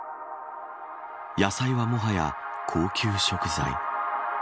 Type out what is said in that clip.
野菜はもはや高級食材。